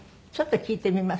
ちょっと聴いてみます。